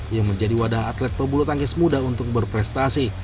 yang menjadi wadah atlet pebulu tangkis muda untuk berprestasi